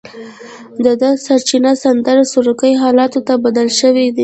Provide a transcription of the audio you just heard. دده د سرچپه سندرې سروکي حالاتو ته بدل شوي دي.